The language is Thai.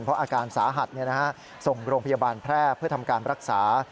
เพราะอาการสาหัสส่งโรงพยาบาลแพร่เพื่อทำการรักษา